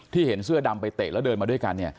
เห็นเสื้อดำไปเตะแล้วเดินมาด้วยกัน